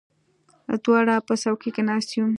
دواړه په څوکۍ کې ناست یو.